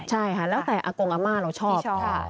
ใช่ค่ะแล้วแต่อากงอาม่าเราชอบ